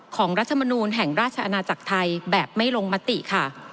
รัฐมนูลแห่งราชอาณาจักรไทยแบบไม่ลงมติค่ะ